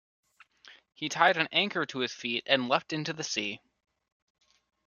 He tied an anchor to his feet and leapt into the sea.